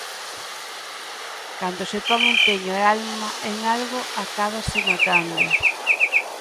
Cando se pon empeño e alma en algo, acábase notando.